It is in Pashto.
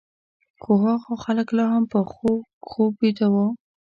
خو هخوا خلک لا هم په خوږ خوب ویده وو.